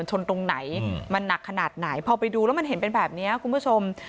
ตรงไหนมันหนักขนาดไหนพอไปดูแล้วมันเห็นเป็นแบบนี้คุณผู้ชม